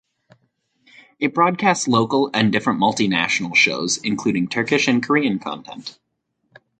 It broadcasts local and different multinational shows including Turkish and Korean Content.